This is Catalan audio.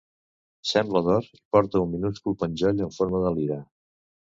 Sembla d'or i porta un minúscul penjoll en forma de lira.